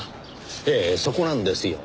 ええそこなんですよ。